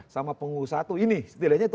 sama pengusaha tuh ini setilainya itu